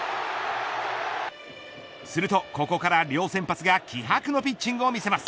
するとここから両先発が気迫のピッチングを見せます。